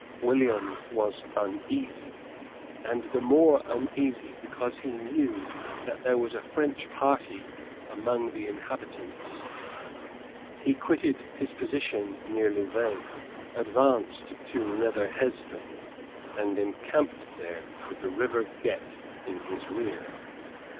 William was uneasy, and the more uneasy because he knew that there was a French party among the inhabitants. He quitted his position near Louvain, advanced to Nether Hespen, and encamped there with the river Gette in his rear.